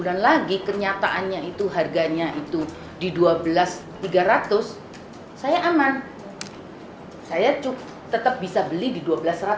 nanti kalau misalnya ternyata tiga bulan lagi ya nanti kalau misalnya ternyata tiga bulan lagi ya menurut saya masih untuk diberikan perlindungan nilai yang terbaik ya